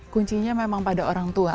kuncinya memang pada orang tua